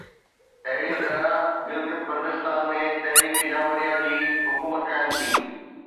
اهڙي طرح گلگت بلتستان ۾ تحريڪ جعفريه جي حڪومت قائم ٿي